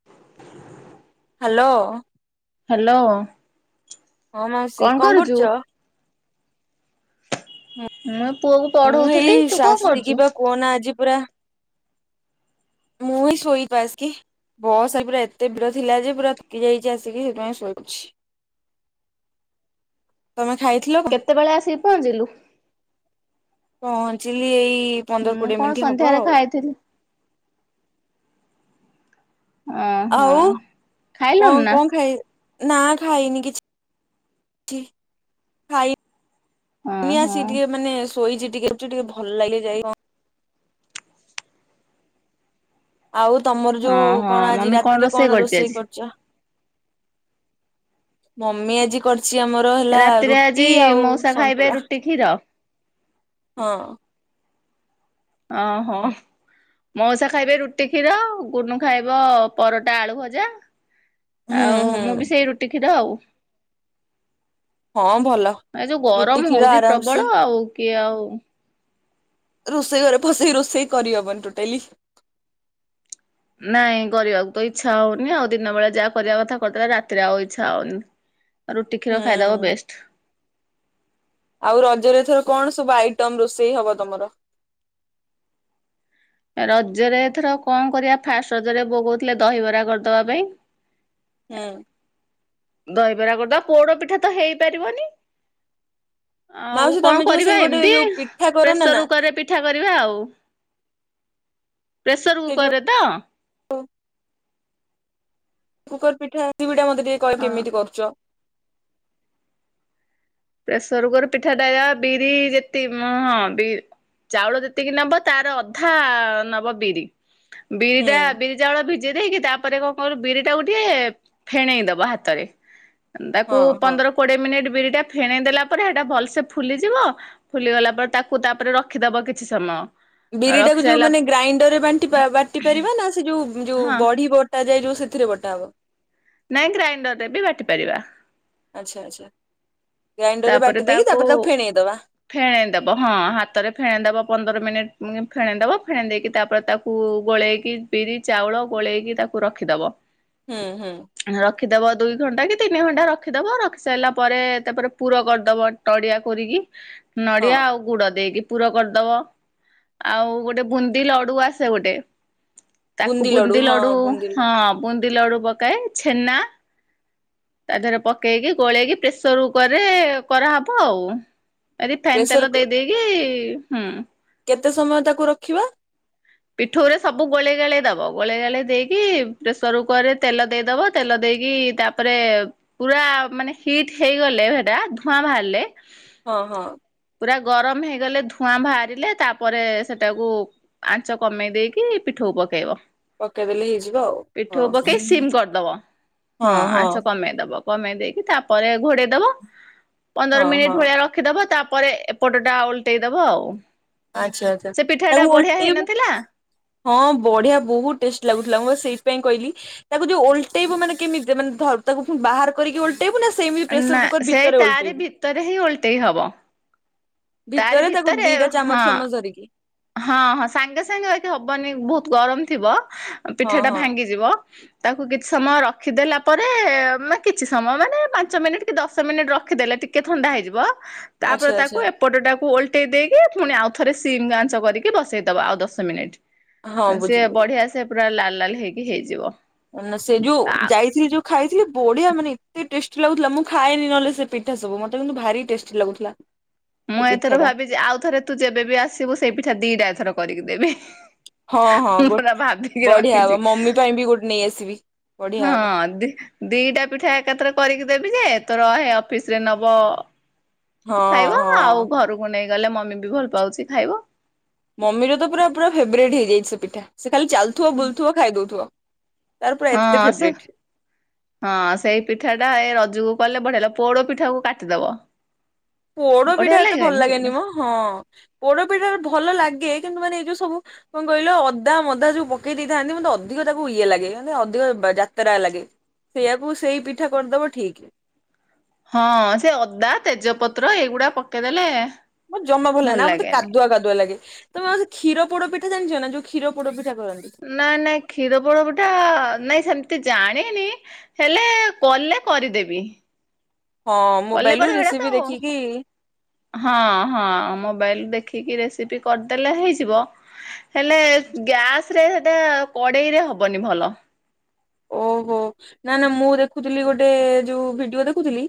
[inaudible] Hello. Hello. ହଁ ମାଉସୀ କଣ କରୁଛ? ମୁଁ ପୁଅ କୁ ମୁଁ ପଢଉଥିଲି ଏଇ ତୁ କଣ ଆସିକି କରୁଛୁ? ବା କୁହନା ଆଜି ପୁରା ମୁଁ ଏଇ ଶୋଇଛି ବା ଆସି କି ବସ୍ ଆଜି ପୁରା ଏତେ ଭିଡ଼ ଥିଲା ଯେ ପୁରା ଥକି ଯାଇଛି ଆସିକି ସେଥିପାଇଁ ସୋଇପଡ଼ିଛି ତମେ ଖାଇଥିଲ କେତେବେଳେ ଆସିକି ପହଞ୍ଚିଲୁ? ପହଞ୍ଚିଲି ଏଇ ପନ୍ଦର ମୁଁ କୋଡିଏ କଣ ମିନିଟ୍ ହବ ସନ୍ଧ୍ୟାରେ ଆଉ ଖାଇଥିଲି ଓହୋ। ଆଉ ଖାଇଲୁଣି କଣ ନା କଣ ଖାଇ ନା ଖାଇନି କିଛି କିଛି ଖାଇ ଖାଇନି ଓହୋ ଆସିକି ଟିକେ ମାନେ ଶୋଇଛି ଟିକେ ଟିକେ ଭଲ ଲାଗେ ଯାଇ ଆଉ ତମର ହଁ ଯୋଉ ହଁ କଣ ଆଜି ମମି ରାତିରେ କଣ କରିଛି ରୋଷେଇ ଆଜି? କରୁଛ? ମମି ଆଜି କରିଛି ଆମର ହେଲା ରାତିରେ ଆଜି ରୁଟି ଆଉ ମଉସା ଖାଇବେ ସନ୍ତୁଳା ରୁଟି କ୍ଷୀର ହଁ। ଓହୋ! ମଉସା ଖାଇବେ ରୁଟି କ୍ଷୀର ଗୁନୁ ଖାଇବ ପରଟା ଆଳୁ ଭଜା। ହୁଁ ଆଉ ମୁଁ ହୁଁ ବି ସେଇ ରୁଟି କ୍ଷୀର ଆଉ। ହଁ ଭଲ ଏ ଯଉ ରୁଟି ଗରମ କ୍ଷୀର ହଉଚି ଆରାମସେ ପ୍ରବଳ ଆଉ କିଏ ଆଉ ରୋଷେଇ ଘରେ ଫସେଇ ରୋଷେଇ କରି ହବନି ଟୋଟାଲି। ନାଇଁ କରିବାକୁତ ଇଚ୍ଛା ହଉନି ଆଉ ଦିନ ବେଳେ ଯାହା କରିବା କଥା କରିଥିଲା ରାତିରେ ଆଉ ଇଚ୍ଛା ହଉନି। ରୁଟି କ୍ଷୀର ଖାଇଦବା ହୁଁ ବେଷ୍ଟ। ଆଉ ରଜରେ ଏଥର କଣ ସବୁ ଆଇଟମ ରୋଷେଇ ହବ ତମର? ରଜରେ ଏଥର କଁ କରିବା ଫାଷ୍ଟ ରଜରେ ବୋଉ କହୁଥିଲା ଦହିବରା କରିଦବା ପାଇଁ। ହୁଁ। ଦହିବରା କରିଦବା ପୋଡ ପିଠା ତ ହେଇପାରିବନି। ଆଉ ମାଉସୀ କଣ ତମେ ଯୋଉ ସେଇ କରିବା ଗୋଟେ ଏମିତି ଯୋଉ ପିଠା କର ନା ନା ପ୍ରେସର କୁକର ରେ ପିଠା କରିବା ଆଉ। ପ୍ରେସର କୁକରରେ ତ? ଓ କୁକର ପିଠା ଦିବିଡା ମତେ ଟିକେ କହ ହଁ। କେମିତି କରୁଚ? ପ୍ରେସର କୁକରରେ ପିଠାଟା ଏକା ବିରି ଯେତିକି ହଁ ବି ଚାଉଳ ଯେତିକି ନବ ତାର ଅଧା ନବ ବିରି ହୁଁ ବିରିଟା ବିରି ଚାଉଳ ଭିଜେଇ ଦେଇକି ତାପରେ କଣ କରୁ ବିରି ଟାକୁ ଟିକେ ଫେଣେଇ ଦବା ହାତରେ। ତାକୁ ହଁ ହଁ ପନ୍ଦର କୋଡିଏ ମିନିଟ୍ ବିରିଟା ଫେଣେଇ ଦେଲା ପରେ ହେଟା ଭଲସେ ଫୁଲିଯିବ ଫୁଲିଗଲା ପରେ ତାକୁ ତାପରେ ରଖିଦବ କିଛି ସମୟ। ରଖି ବିରିଟାକୁ ଯୁ ସାରିଲା ମାନେ ଗ୍ରାଇଣ୍ଡର ରେ ବାଣ୍ଟିବା ବାଟି ପାରିବା ନା ସେ ଯୁ ଯୁ ହଁ ବଢି ଟା ଯାଇ ସେଥିରେ ବଟା ହବ? ନାଇଁ ଗ୍ରାଇଣ୍ଡରରେ ବି ବାଟି ପାରିବା। ଆଚ୍ଛା ଆଚ୍ଛା ଗ୍ରାଇଣ୍ଡରରେ ବାଟି ଦେଇକି ତାପରେ ତାକୁ ଫେଣେଇଦବା। ଫେଣେଇଦବ ହଁ ହାତରେ ଫେଣେଇଦବ ପନ୍ଦର ମିନିଟ ଫେଣେଇଦବ ଫେଣେଇ ଦେଇକି ତାପରେ ତା କୁ ଗୋଳେଇକି ବିରି ଚାଉଳ ଗୋଳେଇକି ତାକୁ ରଖିଦବ। ହୁଁ ହୁଁ। ରଖିଦବ ଦୁଇ ଘଣ୍ଟା କି ତିନି ଘଣ୍ଟା ରଖିଦବ, ରଖି ସାଇଲା ପରେ ତାପରେ ପୁର କରିଦବ ତଡିଆ କରିକି ହଁ ନଡିଆ ଆଉ ଗୁଡ ଦେଇକି। ପୁର କରିଦବ ଆଉ ଗୋଟେ ବୁନ୍ଦି ଲଡୁ ଆସେ ଗୋଟେ ତାକୁ ବୁନ୍ଦି ହଁ ଲଡୁ ବୁନ୍ଦି ଲଡୁ ହଁ ବୁନ୍ଦି ଲଡୁ ପକାଏ ଛେନା ତା ଦେହରେ ପକେଇକି ଗୋଳେଇକି ପ୍ରେସର ଉଁ ପରେ କରାହେବ ଆଉ ଏ ରିଫାଇନ୍ ତେଲ ପ୍ରେସର ଦେଇ ଦେଇକି ହୁଁ କେତେ ସମୟ ତାକୁ ରଖିବା? ପିଠଉରେ ସବୁ ଗୋଳେଇ ଗାଳେଇ ଦେବ ଗୋଳେଇ ଗାଳି ଦେଇକି ପ୍ରେସର କୁକରରେ ତେଲ ଦେଇଦବ ତେଲ ଦେଇକି ତା ପରେ ପୁରା ମାନେ ହିଟ୍ ହେଇଗଲେ ସେଇଟା ଧୂଆଁ ବାହାରିଲେ ହଁ ହଁ। ପୁରା ଗରମ ହେଇଗଲେ ଧୂଆଁ ବାହାରିଲେ ତାପରେ ସେଟାକୁ ଚ କମେଇ ଦେଇକି ପିଠଉ ପକେଇବ। ପକେଇଦେଲେ ହେଇଯିବ ଆଉ। ହଁ ପିଠଉ ପକେଇ ସିମ୍ କରିଦବ ହଁ ଆଁସ କମେଇ ଦବ। କମେଇ ଦେଇକି ତାପରେ ଘୋଡେଇ ଦବ ପନ୍ଦର ହଁ ମିନିଟ ହଁ ଭଳିଆ ର ଖିଦବା ତାପରେ ଏପଟଟା ଓଲଟେଇଦବ ଆଉ। ଆଚ୍ଛା ଆଚ୍ଛା ସେ ପିଠା ଟା ତାକୁ ବଢିଆ ଓଲଟେଇବ ହେଇନଥିଲା ହଁ ବଢିଆ ବହୁତ ଟେଷ୍ଟ ଲାଗୁଥିଲା ମ ସେଇ ପେଇଁ କହିଲି ତାକୁ ଯଉ ଓଲଟେଇବ ମାନେ କେମିତି ମାନେ ଧ ତାକୁ ବାହାର କରି ଓଲ ଟେଇବୁ ନା ସେମି ପ୍ରେସର କୁକର ଭିତରେ ଓଲଟେଇବୁ? ତରେ ହିଁ ଓଲଟେଇ ହେବ। ଭିତରେ ତାକୁ ଦିଟା ହଁ ଚାମଚ ଫାମଚ ଧରିକି। ହଁ ହଁ ସାଙ୍ଗେ ସାଙ୍ଗେ ବାକି ହବନି ବହୁତ ଗରମ ଥିବ ହଁ ପିଠା ଟା ହଁ ଭାଙ୍ଗିଯିବ। ତାକୁ କିଛି ସମୟ ରଖିଦେଲା ପରେ କିଛି ସମୟ ମାନେ ପାଞ୍ଚ ମିନିଟ କି ଦଶ ମିନିଟ ରଖିଦେଲେ ଟି ଟିକେ ଥଣ୍ଡା ହେଇଯିବ ଆଚ୍ଛା ତାପରେ ତାକୁ ଆଚ୍ଛା ଏପଟଟାକୁ ଓଲଟେଇ ଦେଇକି ପୁଣି ଆଉ ଥରେ ସିମ କରିକି ବସେଇଦବା ଆଉ ଦଶ ହଁ ମିନିଟ ସିଏ ବୁଝିଲି। ବଢିଆ ସେ ପୁରା ଲାଲ ଲାଲ ହେଇକି ହେଇଯିବ। ନା ସେ ଯୋଉ ଆ ଯାଇଥିଲି ଯୋଉ ଖାଇଥିଲି ବଢିଆ ମାନେ ଏତେ ଟେଷ୍। ଲାଗୁଥିଲା ମୁଁ ଖାଏନି ନହଲେ ସେ ପିଠା ସବୁ ମତେ କିନ୍ତୁ ଭାରି ଟେଷ୍ଟି ଲାଗୁଥିଲା। ସେ ମୁଁ ପିଠା ଏଥର ଟା। ଭାବିଛି ଆଉ ଥରେ ତୁ ଯେବେ ବିି ଆସିବୁ ସେଇ ପିଠା ଦିଟା ଏଥର କରିକି ଦେବି। ହଁ ହଁ ମୁଁ ଗୋ ପୁରା ଭାବିକି ବଢିଆ ହବ ରଖିଛି ମମି ପାଇଁ ବି ଗୋଟେ ନେଇ ଆସିବି। ବଢିଆ ହବ ହଁ ଦିଟା ପିଠା ଏକାଥରେ କରିକି ଦେବି ଯେ ତୋ ରହେ ଅଫିସ ରେ ନବ ହଁ ଖାଇବ ଆଉ ହଁ। ଘରକୁ ନେଇ ଗଲେ ମମି ବି ଭଲ ପାଉଛି ଖାଇବ। ମମିର ତ ପୁର ପୁରା ଫେବରରେଟ୍ ହେଇଯାଇଛି ସେ ପିଠା ସେ ଖାଲି ଚାଲୁଥିବ ବୁଲୁଥିବ ଖାଇଦଉଥିବ। ହଁ ସେ ହଁ ସେଇ ପିଠା ଟା ଏ ରଜକୁ କଲେ ବଢିଲା ପୋଡ ପିଠା କୁ କାଟିଦବ। ପୋଡ ବଢିଆ ପିଠା ଏତେ ଭଲ ଲାଗିବନି ସେ ଲାଗେନି ପିଠା? ମୋ ହଁ ପୋଡ ପିଠା ଭଲ ଲାଗେ କିନ୍ତୁ ମାନେ ଏଇ ଯୋଉ ସବୁ କଣ କହିଲ ଅଦା ମଦା ଯୋଉ ପକେଇ ଦେଇଥାନ୍ତି ମୋତେ ଅଧିକ ତାକୁ ଇଏ ଲାଗେ ଅଧିକ ଯାତ୍ରା ଲାଗେ। ସେଇଆକୁ ସେଇ ପିଠା କରିଦବ ଠିକ। ହଁ ସେ ଅଦା ତେଜପତ୍ର ଏଗୁଡା ପକେଇଦେଲେ ମୋ ଜମା ଭଲ ନା ମତେ କାଦୁଆ କାଦୁଆ ଲାଗେ। ତମେ ମାଉସୀ କ୍ଷୀର ପୋଡ଼ ପିଠା ଜାଣିଛ ନା ଯୋଉ କ୍ଷୀର ପୋଡ଼ ପିଠା କରନ୍ତି? ନା ନା କ୍ଷୀର ପୋଡ଼ାପିଠା ନାଇଁ ସେମିତି ଜାଣିନି ହେଲେ କଲେ କରିଦେବି। ହଁ କଲେ ମୋବାଇଲ ରୁ କରିଦେବି ହେଟା ରେସିପି ତ ଦେଖିକି ହଁ ହଁ ମୋବାଇଲ ଦେଖିକି ରେସିପି କରିଦେଲେ ହେଇଯିବ। ହେଲେ ଗ୍ୟାସ ରେ ସେଟା କଡେଇ ରେ ହବନି ଭଲ। ଓହୋ ନା ନା ମୁଁ ଦେଖୁଥିଲି ଗୋଟେ ଯୋଉ ଭିଡିଓ ଦେଖୁଥିଲି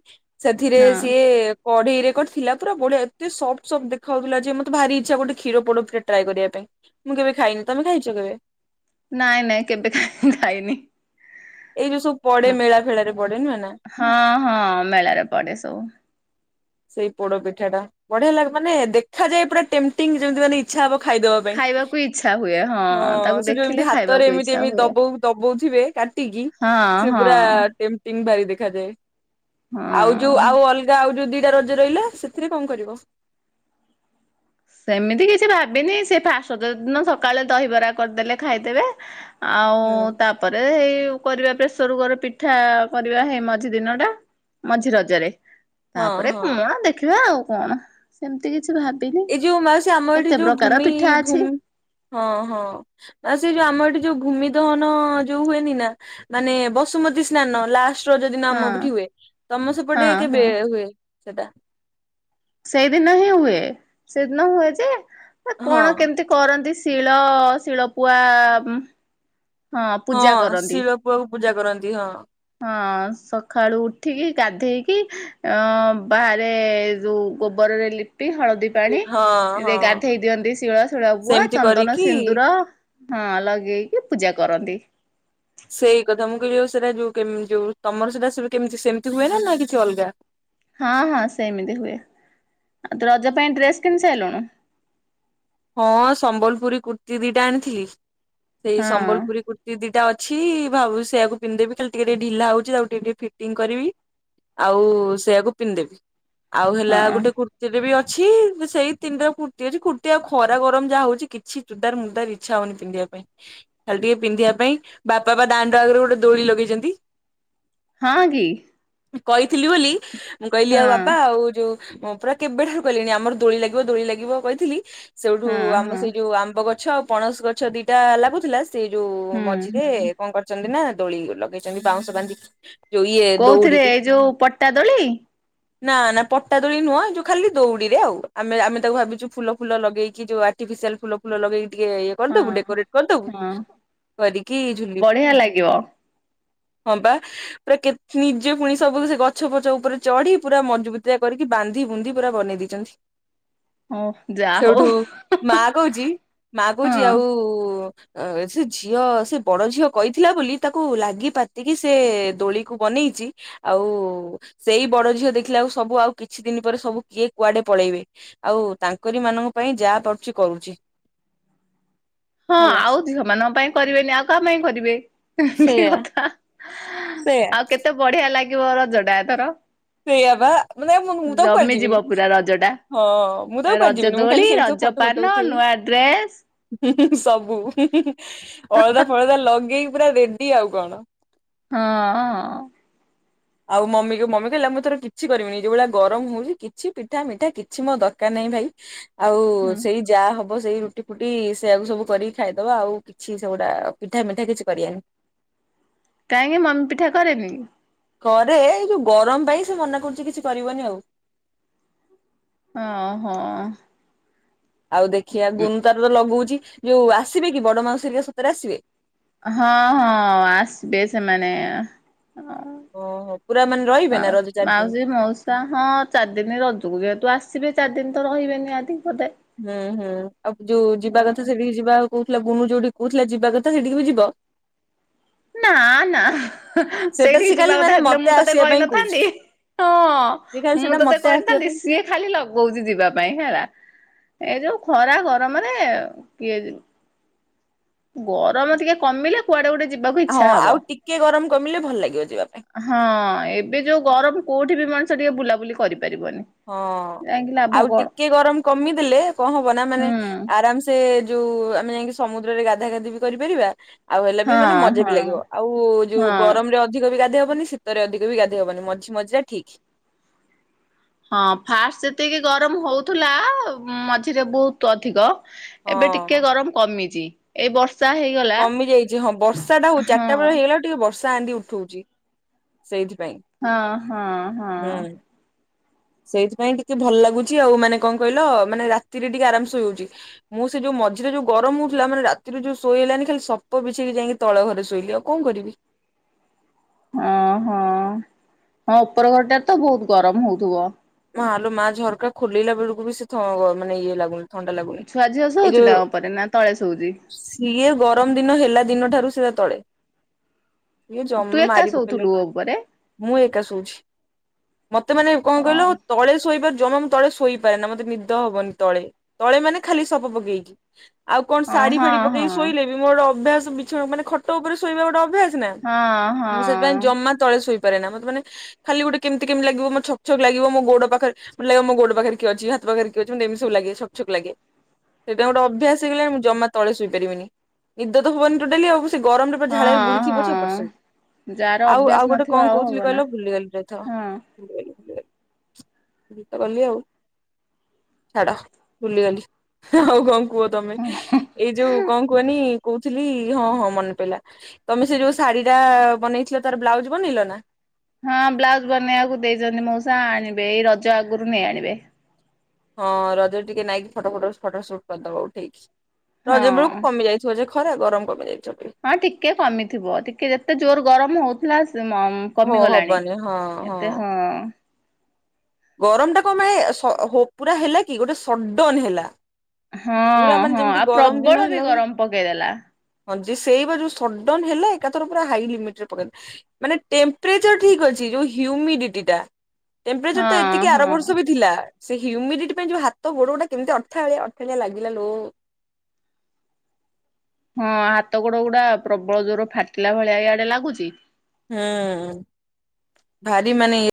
ସେଥିରେ ହଁ ସିଏ କଢେଇ ରେ କରିଥିଲା ବଢିଆ ଏତେ ସପ୍ତ ସପ୍ତ ଦେଖାଉଥିଲା ଯେ ମତେ ଭାର ଇଚ୍ଛା ଗୋଟେ୍ ଷୀର ପୋଡ଼ ପିଠା ଟ୍ରାଏ କରିବା ପାଇଁ। ମୁଁ କେବେ ଖାଇନି ତମେ ଖାଇଛ କେବେ? ନାଇଁ ନାଇଁ କେବେ ଖାଇନି। ଏଇ ଯୋଉ ସବୁ ପଡେ ମେଳା ଫେଳାରେ ପଡେ ନୁହେଁ ନା। ହଁ ହଁ ମେଳାରେ ପଡେ ସବୁ। ସେଇ ପୋଡ ପିଠା ଟା ବଢିଆ ଲାଗେ ମାନେ ଦେଖାଯାଏ ପୁରା ଟେମ୍ ଟିଂ ଯେମିତି ମାନେ ଇଛା ହବ ଖାଇଦବା ପାଇଁ ଖାଇବାକୁ ଇଚ୍ଛା ହୁଏ ହଁ ତାକୁ ସେ ଯୁ ଦେଖିଲେ ଏମିତି ହାତରେ ଖାଇବାକୁ ଏମିତି ଇଚ୍ଛା ଏମିତି ହୁଏ ଦବ ଦବଉଥିବେ? ଟିିଗୀ ହଁ ସେ ହଁ ପୂରା ଟେ ତିଙ୍ଗୀ ଭାରି ଦେଖାଯାଏ ହଁ। ଆଉ ଯୋଉ ଆଉ ଅଲଗା ଆଉ ଯୋଉ ଦି ଦି ଟା ରଜ ରହିଲା ସେଥିରେ କଣ କରିବ? ସେମିତି କିଛି ଭାବିନି ଫାର୍ଷ୍ଟ ରଜ ଦିନ ସକାଳେ ଦହିବରା କରିଦେଲେ ଖାଇଦେବେ। ଆଉ ହୁଁ। ତାପରେ ଏଇ କରିବା ପ୍ରେସର କୁକର ପିଠା କରିବା ହେଇ ମଝି ଦିନ ଟା। ମଝି ରଜରେ ହଁ ତାପରେ ହଁ କୁଅ ଦେଖିବା ଆଉ କଣ ସେମିତି କିଛି ଭାବିନି। ଏଇ ଯୋଉ ମାଉସି ଆମ ଏଠି କେତେ ଯୋଉ ପ୍ରକାର ଭୂମି ପିଠା ଅଛି ଭୂି ହଁ ହଁ। ନା ସେଇ ଯୋଉ ଆମର ଏଠି ଯୋଉ ଭୂମି ଦହନ ଯୋଉ ହୁଏନି ନା? ମାନେ ବସୁମତୀ ସ୍ନାନ ଲାଷ୍ ଯଦି ହଁ ନାମ ପିଠି ହୁଏ ତମ ହଁ ସେପଟେ କେବେ ହଁ ହୁଏ ସେଟା? ସେଇଦିନ ହିଁ ହୁଏ ସେଇଦିନ ହୁଏ ଯେ କଣ ହଁ କେମତି? କରନ୍ତି ଶିଳ ଶିଳପୁଆ। ହଁ ପୂଜା କରନ୍ତି। ଶିଳପୁଆକୁ ପୂଜା କରନ୍ତି ହଁ। ହଁ ସକାଳୁ ଉଠିକି ଗାଧେଇକି ଅ ବାହାରେ ଯୋଉ ଗୋବର ରେ ଲି ହଳଦୀ ପାଣି ହଁ ରେ ହଁ। ଗାଧେଇ ଦିଅନ୍ତି ଶିଳ ଶିଳ ପୁଆ ସେମିତି ଚନ୍ଦନ କରିକି ସିନ୍ଦୁର। ହଁ ଲଗେଇକି ପୂଜା କରନ୍ତି। ସେଇ କଥା ମୁଁ କହିବ ସେଇଟା ଯୋଉ ଯୋଉ ତମର ସେଟା କେମିତି ସେମିତି ହୁଏ ନା ନା କିଛି ଅଲଗା? ହଁ ହଁ ସେମିତି ହୁଏ ଆଉ ତୁ ରଜ ପାଇଁ ଡ୍ରେସ୍ କିଣି ସାରିଲୁଣୁ ହଁ ସମ୍ବଲପୁରୀ କୁର୍ତ୍ତୀ ଦିଟା ଆଣିଥିଲି ସେଇ ହଁ ସମ୍ବଲପୁରୀ କୁର୍ତ୍ ଦି ଦିଟା ଅଛି ଭାବୁଛି ସେଇଆକୁ ପିନ୍ଧ ଦେବି ଖାଲି ଟିକେ ଟିକେ ଢିଲା ହଉଛି ଆଉ ଟିକେ ଟିକେ ଫିଟିଂ କରିବି। ଆଉ ସେଆକୁ ପିନ୍ଧଦେବି। ଆଉ ହେଲା ଗୋଟେ ହଁ କୁର୍ତ୍ତିୀଟେ ବି ଅଛି ସେଇ ତିନିଟା କୁର୍ତ୍ତିୀ ଅଛି କୁର୍ ଏତେ ଆଉ ଖରା ଗରମ ଯାହା ହଉଚି କିଛି ଚୂଡ଼ଦାର ମୁଡ଼ଦାର ଇଚ୍ଛା ହଉନି ପିନ୍ଧିବା ପାଇଁ। ଖାଲି ଟିକେ ପିନ୍ଧିବା ପାଇଁ ବାପା ପା ଦାଣ୍ଡ ଆଗରେ ଗୋଟେ ଦୋଳି ଲଗେଇଛନ୍ତି। ହଁ କି। କଇଥିଲି ବୋଲି ମୁଁ କହିଲି ଆଉ ହଁ ବାପା ଆଉ ଯୋଉ ମୁଁ ପୁରା କେବେ ଠାରୁ କହିଲିଣି ଆମର ଦୋଳି ଲାଗିବ ଦୋଳି ଲାଗିବ କହିଥିଲି ସେଉଠୁ ହଁ ଆମ ହଁ। ସେଇ ଯୋଉ ଆମ୍ବ ଗଛ ଆଉ ପଣସ ଗଛ ଦିଟା ଲାଗୁଥିଲା ସେଇ ଯୋଉ ହୁଁ ମଝିରେ ହୁଁ କଣ କରିଚନ୍ତି ନା ଦୋଳି ଲଗେଇଛନ୍ତି ବାଉଁଶ ବାନ୍ଧିକି। ଯୋଉ ଇଏ କଉ ଥିରେ ଦଉଡିରେ ଏଇ ଯୋଉ ପଟା ଦୋଳି? ନା ନା ପଟା ଦୋଳି ନୁହଁ ଯୋଉ ଖାଲି ଦଉଡିରେ ଆଉ ଆମେ ଆମେ ତାକୁ ଭାବିଛୁ ଫୁଲ ଫୁଲ ଲଗେଇକି ଯୋଉ ଆର୍ଟିଫିସିଆଲ ଫୁଲ ଫୁଲ ଲଗେଇକି ଟିକେ ଇଏ କରିଦବୁ ହଁ ଡେକୋରେଟ ହଁ କରିଦେବୁ କରିକି ଝୁଲିବୁ। ବଢିଆ ଲାଗିବ ହଁ ବା। ପୁରା କେ ନିଜେ ପୁଣି ସବୁ ସେ ଗଛ ପଛ ଉପରେ ଚଢି ପୁରା ମଜବୁତିଆ କରିକି ବାନ୍ଧି ବୁନ୍ଧି ପୁରା ବନେଇ ଦେଇଚନ୍ତି। ହଁ ଯା ହଉ ସେଉଠୁ ମା କହୁଚି ମା କହୁଚି ହଁ। ଆଉ ଉ ସେ ଝିଅ ସେ ବଡ଼ ଝିଅ କହିଥିଲା ବୋଲି ତାକୁ ଲାଗି ପାତିକି ସେ ଦୋଳିକୁ ବନେଇଚି ଆଉ ସେଇ ବଡ ଝିଅ ଦେଖିଲା ଆଳକୁ ସବୁ ଆଉ କିଛି ଦିନ ପରେ ସବୁ କିଏ କୁଆଡେ ପଳେଇବେ। ଆଉ ତାଙ୍କରି ମାନଙ୍କ ପାଇଁ ଯା ପାରୁଚି କରୁଚି। ହଁ ଆଉ ଝିଅ ମାନଙ୍କ ପାଇଁ କରିବେନି ଆଉ କାହା ପାଇଁ କରିବେ ଇଁ ହିଁ ହିଁ କି ସେଇଆ କଥା। ସେଇଆ ଆଉ କେତେ ବଢିଆ ଲାଗିବ ରଜଟା ଏଥର। ସେଇଆ ବା ମାନେ ଆଉ ମୁଁ ତ ଆଉ କୁଆଡେ ଜମିଯିବ ଯିବିନି। ପୁରା ରଜ ଟା। ହଁ ମୁଁ ତ ଆଉ କୁଆଡେ ରଜ ଯିବିନି ମୁଁ ଦୋଳି ଖାଲି ସେଇଠି ସବୁ ରଜ ଫଟ ପାନ ଫଟ ଉଠେଇବି। ନୂଆ ଡ୍ରେସ୍ ହୁଁ ହୁଁ ହୁଁ ସବୁ ହୁଁ ହୁଁ ହୁଁ ଅଳଦା ଫଳତା ଲଗେଇକି ପୁରା ରେଡି ଆଉ କଣ। ହଁଅଁ। ଆଉ ମମିକୁ ମମି କହିଲା ମୁଁ ଏଥର କିଛି କରିବିନି ଯଉଭଳିଆ ଗରମ ହଉଚି କିଛି ପିଠା ମିଠା କି ଛି ମୋର ଦରକାର ନାହିଁ ଭାଇ ଆଉ ହୁଁ ସେଇ ଯାହା ହବ ସେଇ ରୁଟି ଫୁଟି ସେଇଆକୁ ସବୁ କରିକି ଖାଇ ଦେବା ଆଉ। କିଛି ସେଗୁଡା ପିଠା ମିଠା କିଛି କରିଆନି। କାହିଁକି ମମି ପିଠା କରେନି? କରେ ଏଇ ଯଉ ଗରମ ପାଇଁ ସେ ମନା କରୁଚି କିଛି କରିବନି ଆଉ। ହଁ ହଁ ଅଁ। ଆଉ ଦେଖୀଆ ଗୁନୁ ତାର ତ ଲଗଉଚି ଯୋଉ ଆସିବେକି ବଡ ମାଉସି ହେରିକା ସତରେ ଆସିବେ। ହଁ ହଁ ଆସିବେ ସେମାନେ ଅଁ। ଓହୋ ପୁରା ମାନେ ରହିବେ ନା ମାଉ ରଜ ଚାରି ଦିନ ମାଉସୀ ମଉସ ସା ହଁ ଚାରି ଦିନ ରଜକୁ ଯେହେତୁ ଆସିବେ ଚାରି ଦିନ ତ ରହିବେ ନିହାତି ବୋଧେ। ହୁଁ ହୁଁ ଆଉ ଯୋଉ ଯିବା କଥା ସେଠିକି ଯିବା ଆଉ କହୁଥିଲା ବୁନୁ ଯଉଠିକି କହୁଥିଲା ଯିବା କଥା ସେଠିକି ବି ଯିବ? ନା ନା ସେଟା ସେ ସେଇଠିକି ଯିବା ଖାଲି କଥା ମାନେ ହେଇଥିଲେ ମୁଁ ମତେ ତତେ ଆସିବା ପାଇଁ କହୁଛି କହିନଥାନ୍ତି। ସେ ଖାଲି ହଁ ମୁଁ ସେଟା ତତେ ମତେ ଆସିବା କହିନଥାନ୍ତି ପାଇଁ ସିଏ ଖାଲି ଲଗଉଚି ଯିବା ପାଇଁ ହେଲା ଏ ଯଉ ଖରା ଗରମରେ କିଏ ଯିବ। ଗରମ ଟିକେ କମିଲେ କୁଆଡେ ଗୋଟେ ଯିବାକୁ ହଁ ଇଚ୍ଛା ହବ। ଆଉ ଟିକେ ଗରମ କମିଲେ ଭଲ ଲାଗିବ ଯିବା ପାଇଁ। ହଁ ଏବେ ଯଉ ଗରମ କଉଠି ବି ମଣିଷ ଟିକେ ବୁଲାବୁଲି କରିପାରିବନି। ହଁ ଯାଇକି ଲାଭ ଆଉ କଣ? ଟିକେ ଗରମ କମିଦେଲେ କଣ ହବ ନା ମାନେ ହୁଁ ଆରାମ ସ ସେ ଯଉ ଆମେ ଯାଇକି ସମୁଦ୍ରରେ ଗାଧା ଗାଧି ବି କରିପାରିବା ଆଉ ହେଲେ ବି ମାନେ ହଁ ମଜା ହଁ ବି ଲାଗିବ ଆଉ ଯଉ ହଁ। ଗରମରେ ଅଧିକ ବି ଗାଧେଇ ହବନି ସି ତରେ ଅଧିକ ବି ଗାଧେଇ ହବନି ମଝି ମଝିଆ ଠିକ୍। ହଁ ଫାଷ୍ଟ ଯେତିକି ଗରମ ହଉଥିଲା ମଝିରେ ବହୁତ ଅଧିକ ଏବେ ଟିକେ ହଁ ଗରମ କମିଚି ଏଇ ବର୍ଷା ହେଇି କମି ଯାଇଚି ହଁ ଵର୍ଷା ହଉ ଚାରିଟା ବେଳେ ହେଇଗଲା ଟିକେ ବର୍ଷା ଚାନ୍ଦି ଉଠଉଛି ସେଇଥିପାଇଁ ହଁ ହଁ ହଁ। ହୁଁ। ସେଇଥିପାଇଁ ଟିକେ ଭଲ ଲାଗୁଛି ଆଉ ମାନେ କଣ କହିଲ ମାନେ ରାତିରେ ଟିକେ ଆରାମ ଶୋଇହଉଛି। ମୁଁ ସେ ଯୋଉ ମଝିରେ ଯୋଉ ଗରମ ହଉଥିଲା ମାନେ ରାତିରୁ ଯୋଉ ଶୋଇଇ ହେଲାନି ଖାଲି ସପ ବିଛେଇ କି ଯାଇକି ତଳ ଘରେ ଶୋଇଲି ଆଉ କଣ କରିବି। ଅଁ ହଁ ଉପର ଘରଟା ତ ବହୁତ ଗରମ ହଉଥିବ। ହ ଭଲୋ ମା ଝରକା ଖୋଲିଲା ବେଳକୁ ବି ସେ ଥ ଇଏ ଲାଗୁନି ଥଣ୍ଡା ଲାଗୁନି ଛୁଆ ଝିଅ ଏଇ ଶୋଉଚି ଯୋଉ ନା ଉପରେ ନା ତଳେ ଶୋଉଚି। ସିଏ ଗରମ ଦିନ ହେଲା ଦିନ ଠାରୁ ସିଏ ତଳେ। ଇଏ ତୁ ଜମା ଏକା ମାରି ପକେଇଲେ। ଶୋଉଥିଲୁ ଉପରେ? ମୁଁ ଏକା ଶୋଉଛି ମତେ ମାନେ କଣ ହଁ କହିଲ ତଳେ ଶୋଇପାରେ ଜମା ମୁଁ ତଳେ ଶୋଇପାରେ ନା ମତେ ନିଦ ହବନି ତଳେ ତଳେ ମାନେ ଖାଲି ସପ ପକେଇକି। ଆଉ କଣ ହଁ ଶାଢୀ ହଁ ଫାଡି ପକେଇକି ଶୋଇଲେ ହଁ ବି ମୋ ଗୋଟେ ଅଭ୍ୟାସ ବିଛଣା ମାନେ ଖଟ ଉପରେ ଶୋଇବା ଗୋଟେ ଅଭ୍ୟାସ। ଚୁନା ହଁ। ମୁଁ ସେଥିପାଇଁ ଜମା ତଳେ ଶୋଇପାରେ ନା ମତେ ମେ ଖାଲି ଗୋଟେ କେମିତି କେମତି ଲାଗିବ ମୋ ଛକ ଛକ୍ ଲାଗିବ ଗୋଡ ପାଖରେ ବୋଲେ ମୋ ପାଖରେ କି ଅଛି ହାତ ପାଖରେ କିଏ ଏମିତି ସବୁ ଲାଗେ ଛକଛକ୍ ଲାଗେ। ସେଇଟା ଗୋଟେ ଅଭ୍ୟାସ ହେଇଗଲାଣି ମୁଁ ଜମା ତଳେ ଶୋଇପାରିବିନି ନିଦ ତ ହବନି ତୋଟାଲି ଆଉ। ଏତେ ଗରମରେ ପଛେ ହଁ ଝାଳର ବୁଢି ଯିବି ପଛେ ଉପରେ ହଁ ଶୋଇବି। ଯାହାର ଆଉ ଅଭ୍ୟାସ ଆଉ ଗୋଟେ ନଥିବ କଣ ହବ କହୁଥିଲି ନା। କହିଲ ଭୁଲିଗଲି ପ୍ରେଥ ହଁ ଗଲି ଆଉ ଛାଡ ଭୁଲିଗଲି ହେଁ ହଉ ହଉ। କୁହ ତମେ ଏଁ ଯୋଉ କଣ କୁହନି କହୁଥିଲି ହଁ ହଁ ମନେ ପଇଲା। ତମେ ସେ ଯୋଉ ଶାଢୀ ଟା ବନେଇଥିଲ ତାର ବ୍ଲାଉଜ ବନେଇଲ ନା। ହଁ ବ୍ଲାଉଜ ବନେଇବାକୁ ଦେଇଛନ୍ତି ମଉସା ଆଣିବେ ଏଇ ରଜ ଆଗରୁ ନେଇ ଆଣିବେ। ହଁ ରଜ ଟିକେ ନାଇକି ଫଟୋ ଫଟ ଫଟୋ ସୁଟ କରିଦବ ଉଠେଇକି ହଁ। ରଜ ବେଳକୁ କମି ଯାଇ ଥିବ ଯେ ଖରା ଗରମ କମିଯାଇ ହଁ ଟିକେ କମିଥିବ ଟିକେ ଯେତେ ଜୋର ଗରମ ହଉଥିଲା ଅମ୍ ହଁ କମିଗଲାଣି। ହବନି ହଁ ଏତେ ହଁ। ଗରମ ଟା କଣ ପାଇଁ ସ ହୋ ପୁରା ହେଲା କି ଗୋଟେ ସଡନ ହେଲା। ପୁରା ହଁ ମାନେ ହଁ ଯେମିତି ଆଉ ଗରମ ଦିନ ପ୍ରବଳ ବି ହେଲା ଭଳିଆ ଗରମ ପକେଇଦେଲା। ହଁ ଯେ ସେଇ ବା ସଡନ ହେଲା ଏକାଥର ପୁରା ହାଇ ଲିମିଟ ରେ ପକେଇ ମାନେ ଟେମ୍ପରେଚର ଠିକ୍ ଅଛି ଯୋଉ ହ୍ୟୁମିଡିଟିଟା। ଟେମ୍ପରେଚର ତ ହଁ ଏତିକି ଆର ହଁ। ବର୍ଷ ବି ଥିଲା। ସେ ହ୍ୟୁମିଡିଟି ପାଇଁ ଯୋଉ ହାତ ଗୋଡ଼ ଗୁଡ଼ା କେମିତି ଅଠାଳିଆ ଅଠାଳିଆ ଲାଗିଲା ଲୋ। ହଁ ହାତ ଗୋଡ଼ ଗୁଡ଼ା ପ୍ରବଳ ଜୋର ଫାଟିଲା ଭଳିଆ ଇଆଡ଼େ ଲାଗୁଛି ହୁଁ ଭାରି ମାନେ